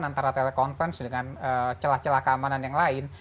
antara telekonferensi dengan celah celah keamanan yang lain